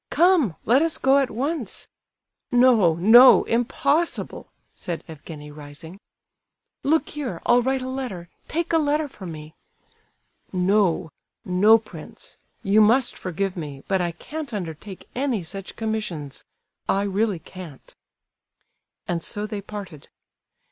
Come—let us go at once!" "No—no, impossible!" said Evgenie, rising. "Look here—I'll write a letter—take a letter for me!" "No—no, prince; you must forgive me, but I can't undertake any such commissions! I really can't." And so they parted.